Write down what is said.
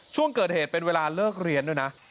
ช่วงเกิดเหตุเป็นเวลาเลิกเรียนด้วยนะ